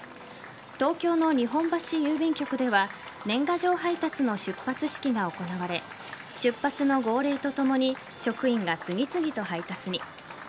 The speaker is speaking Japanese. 東京の日本橋郵便局では年賀状配達の出発式が行われ出発の号令と共に職員が次々と配達に。